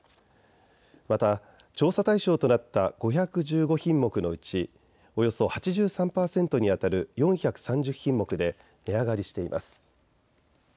また調査対象となった５１５品目のうちおよそ８３％にあたる４３０品目で値上がりしています。